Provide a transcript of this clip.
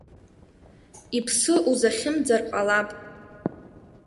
Иԥсы узахьымӡар ҟалап!